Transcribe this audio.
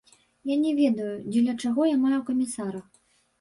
Я не ведаю, дзеля чаго я маю камісара.